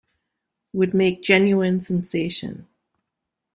Would make genuine sensation.